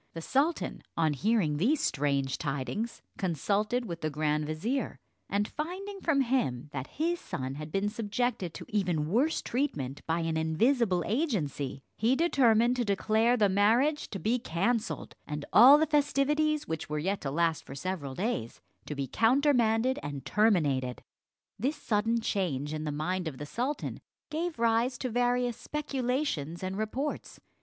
The sultan, on hearing these strange tidings, consulted with the grand vizier; and finding from him that his son had been subjected to even worse treatment by an invisible agency, he determined to declare the marriage to be cancelled, and all the festivities, which were yet to last for several days, to be countermanded and terminated. This sudden change in the mind of the sultan gave rise to various speculations and reports.